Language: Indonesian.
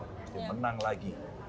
mesti menang lagi